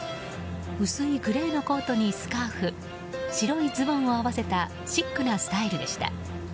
薄いグレーのコートにスカーフ白いズボンを合わせたシックなスタイルでした。